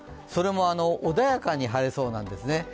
それも穏やかに晴れそうなんですよね。